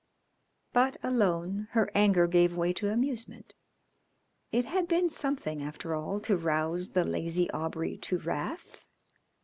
But, alone, her anger gave way to amusement. It had been something, after all, to rouse the lazy Aubrey to wrath.